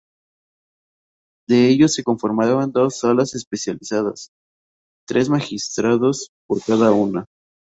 De ellos, se conforman dos Salas especializadas, tres Magistrados por cada una.